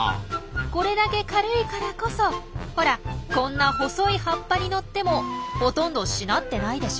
これだけ軽いからこそほらこんな細い葉っぱに乗ってもほとんどしなってないでしょ？